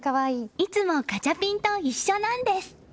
いつもガチャピンと一緒なんです。